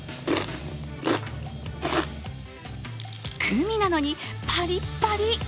グミなのにパリパリ。